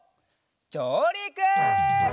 じょうりく！